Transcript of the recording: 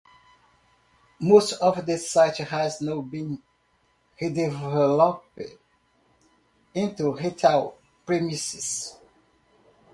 Most of the site has now been redeveloped into retail premises.